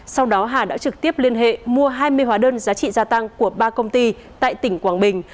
sau đó hà đã trực tiếp liên hệ mua hai mươi hóa đơn giá trị gia tăng của ba công ty tại tỉnh quảng bình